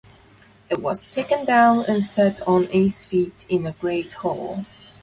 It was taken down and set on its feet in a great hall.